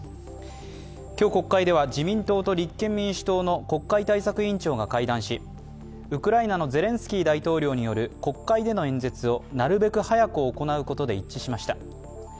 今日、国会では自民党と立憲民主党の国会対策委員長が会談しウクライナのゼレンスキー大統領による国会での演説をなるべく早く行うことで一致しました。